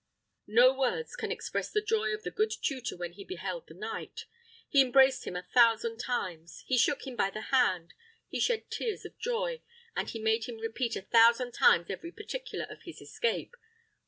No words can express the joy of the good tutor when he beheld the knight. He embraced him a thousand times; he shook him by the hand; he shed tears of joy, and he made him repeat a thousand times every particular of his escape.